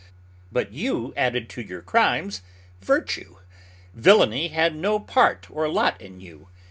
But you added to your crimes virtue. Villainy had no part or lot in you.